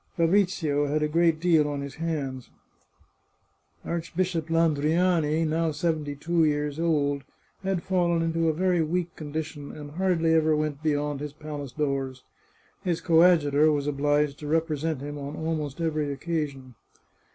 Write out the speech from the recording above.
Fabrizio had a great deal on his hands. Archbishop Lan driani, now seventy two years old, had fallen into a very weak condition, and hardly ever went beyond his palace The Chartreuse of Parma doors. His coadjutor was obliged to represent him on almost every occasion.